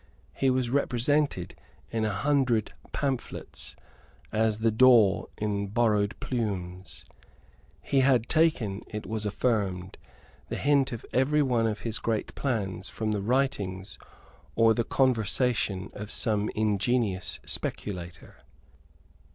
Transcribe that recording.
He was represented, in a hundred pamphlets, as the daw in borrowed plumes. He had taken, it was affirmed, the hint of every one of his great plans from the writings or the conversation of some ingenious speculator.